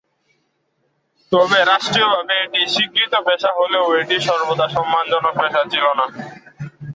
তবে রাষ্ট্রীয়ভাবে এটি স্বীকৃত পেশা হলেও এটি সর্বদা সম্মানজনক পেশা ছিলো না।